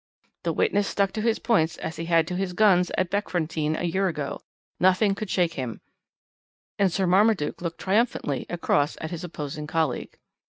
"The witness stuck to his points as he had to his guns at Beckfontein a year ago; nothing could shake him, and Sir Marmaduke looked triumphantly across at his opposing colleague.